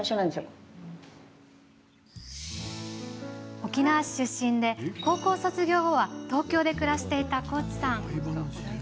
沖縄市出身で、高校卒業後は東京で暮らしていた幸地さん。